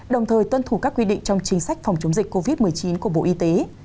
đồng thời tuân thủ các quy định trong chính sách phòng chống dịch covid một mươi chín của bộ y tế